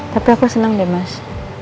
tapi aku senang deh mas